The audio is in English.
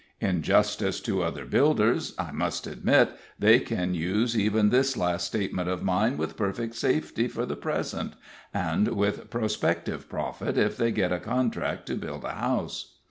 (In justice to other builders, I must admit they can use even this last statement of mine with perfect safety for the present, and with prospective profit if they get a contract to build a house.)